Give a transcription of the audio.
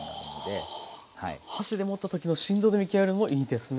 箸で持った時の振動で見極めるのもいいんですね。